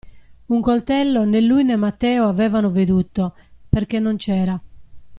Un coltello né lui né Matteo avevano veduto, perché non c'era.